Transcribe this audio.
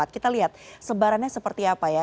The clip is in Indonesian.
kita lihat sebarannya seperti apa ya